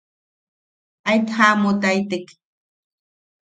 Aet jaamutaitek.